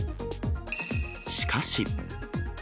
しかし。